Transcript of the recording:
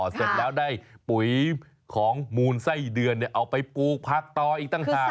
เสร็จแล้วได้ปุ๋ยของมูลไส้เดือนเอาไปปลูกผักต่ออีกต่างหาก